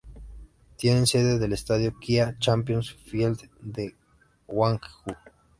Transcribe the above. Tienen sede en el Estadio Kia Champions Field de Gwangju.